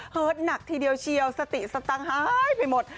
หนักทีเดียวเชียวสติสตังค์หายไปหมด